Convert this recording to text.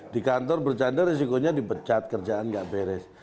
di kantor bercanda resikonya dipecat kerjaan nggak beres